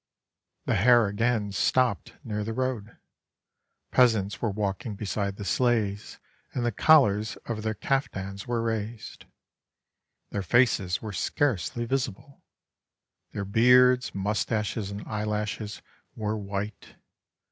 The hare again stopped near the road. Peasants were walking beside the sleighs, and the collars of their caf tans were raised. Their faces were scarcely visible. Their beards, moustaches, and eyelashes were white.